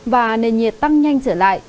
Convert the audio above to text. và nền nhiệt tăng nhanh trở lại